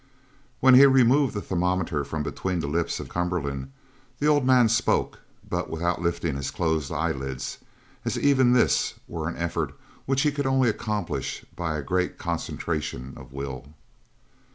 When he removed the thermometer from between the lips of Cumberland the old man spoke, but without lifting his closed eyelids, as if even this were an effort which he could only accomplish by a great concentration of the will.